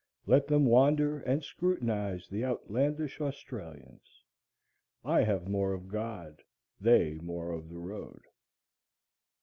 Let them wander and scrutinize the outlandish Australians. I have more of God, they more of the road.